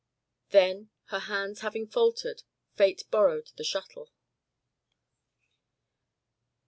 Then, her hands having faltered, Fate borrowed the shuttle.